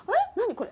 これ。